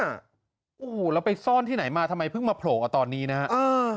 โอ้โหแล้วไปซ่อนที่ไหนมาทำไมเพิ่งมาโผล่เอาตอนนี้นะฮะ